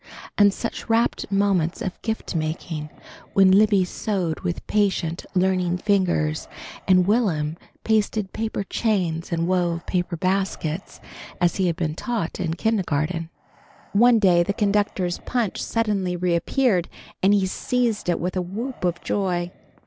And such rapt moments of gift making when Libby sewed with patient, learning fingers, and Will'm pasted paper chains and wove paper baskets, as he had been taught in kindergarten! One day the conductor's punch suddenly reappeared, and he seized it with a whoop of joy.